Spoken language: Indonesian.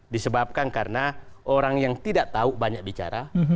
disebabkan karena orang yang tidak tahu banyak bicara